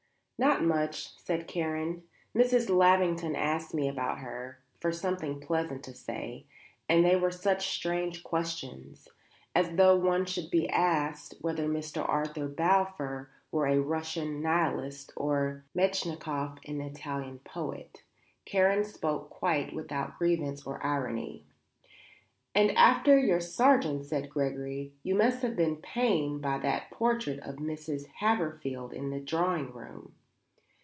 "Not much," said Karen. "Mrs. Lavington asked me about her for something pleasant to say and they were such strange questions; as though one should be asked whether Mr. Arthur Balfour were a Russian nihilist or Metchnikoff an Italian poet." Karen spoke quite without grievance or irony. "And after your Sargent," said Gregory, "you must have been pained by that portrait of Mrs. Haverfield in the drawing room."